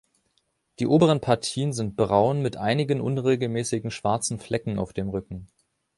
Die oberen Partien sind braun, mit einigen unregelmäßigen schwarzen Flecken auf dem Rücken.